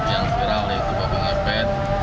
yang viral itu babi ngepet